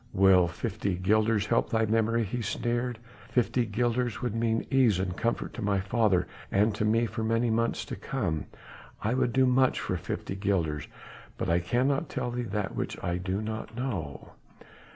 "Will fifty guilders help thy memory?" he sneered. "Fifty guilders would mean ease and comfort to my father and to me for many months to come. I would do much for fifty guilders but I cannot tell that which I do not know."